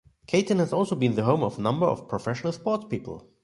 Cayton has also been the home of a number of professional sportspeople.